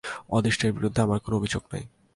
অদৃষ্টের বিরুদ্ধে আমার কোন অভিযোগ নাই।